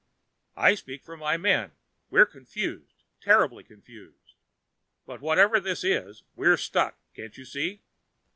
"I speak for my men: we're confused, terribly confused. But whatever this is, we're stuck, can't you see?